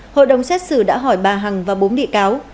hội đồng xét xử đã hỏi bà hằng và bốn bị cáo